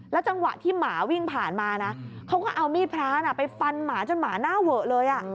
จังหวะที่หมาวิ่งผ่านมานะเขาก็เอามีดพระไปฟันหมาจนหมาหน้าเวอะเลย